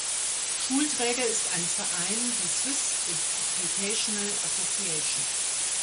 Schulträger ist ein Verein, die Swiss Educational Association.